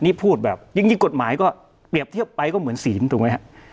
นี่พูดแบบจริงกฎหมายก็เปรียบเทียบไปก็เหมือนศีลถูกไหมฮะ